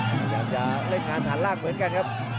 พยายามจะเล่นงานฐานล่างเหมือนกันครับ